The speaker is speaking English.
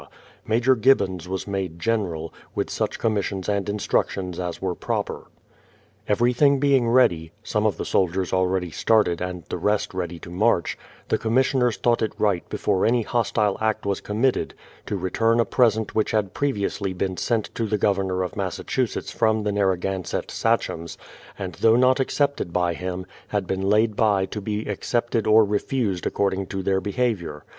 Major Gibbons was made General, with such commissions and instructions as were proper. Everything being ready, — some of the soldiers already started and the rest ready to march, — the commissioners thought it right before any hostile act was committed, to return a present which had previously been sent to the Governor of Massachusetts from the Narragansett sachems, and though not accepted by him, had been laid by to be accepted or refused according to their behaviour.